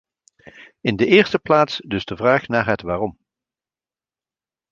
In de eerste plaats dus de vraag naar het waarom.